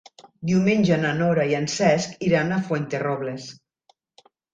Diumenge na Nora i en Cesc iran a Fuenterrobles.